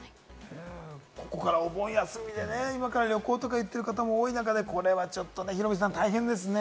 ここからはお盆休みで今から旅行とか行っている方も多い中で、これはちょっとヒロミさん大変ですね。